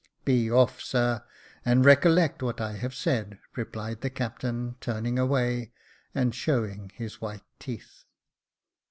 " Be off, sir, and recollect what I have said," replied the captain, turning away, and showing his white teeth.